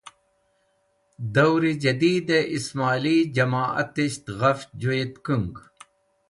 Dawr e Jadeed e Ismoili Jamoatisht Ghafch Joyetkung